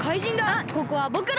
あっここはぼくらが！